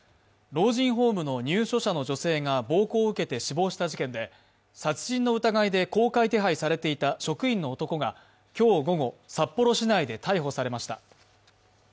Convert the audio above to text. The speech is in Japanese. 老人ホームの入所者の女性が暴行を受けて死亡した事件で殺人の疑いで公開手配されていた職員の男が今日午後札幌市内で逮捕されました。